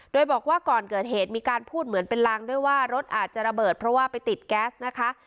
โดยบอกว่าก่อนเกิดเหตุมีการพูดเหมือนเป็นลางด้วยว่ารถอาจจะระเบิดเพราะว่าไปติดแก๊สนะคะ